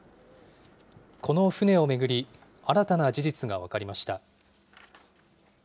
この船を巡り、新たな事実が分かりました。